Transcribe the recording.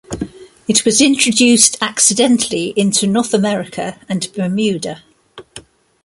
It was introduced accidentally into North America and Bermuda.